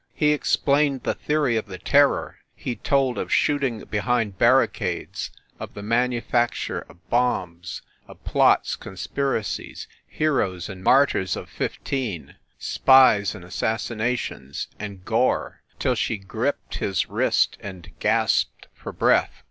He explained the theory of the Terror, he told of shooting behind barricades, of the manufacture of bombs, of plots, conspiracies, heroes and martyrs of fifteen, spies and assassinations and gore till she gripped his wrist and gasped for breath.